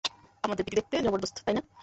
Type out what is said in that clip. আমার প্রীতি দেখতে জবরদস্ত, তাইনা?